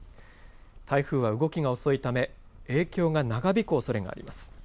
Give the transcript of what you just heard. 台風は動きが遅いため影響が長引くおそれがあります。